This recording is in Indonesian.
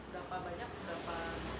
berapa banyak berapa